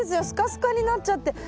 スカスカになっちゃって。